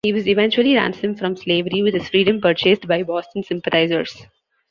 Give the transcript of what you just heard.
He was eventually ransomed from slavery, with his freedom purchased by Boston sympathizers.